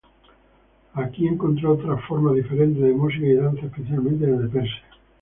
Aquí encontró otras formas diferentes de música y danza, especialmente desde Persia.